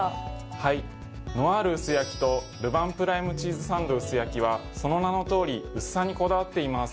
はいノアール薄焼きとルヴァンプライムチーズサンド薄焼きはその名の通り薄さにこだわっています。